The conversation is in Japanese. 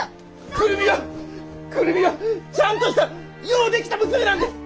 久留美は久留美はちゃんとしたようできた娘なんです！